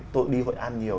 tôi đi hội an nhiều